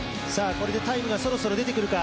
これでタイムがそろそろ出てくるか？